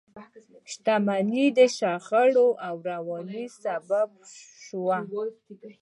شتمنۍ د شخړو او ورانۍ سبب شوه.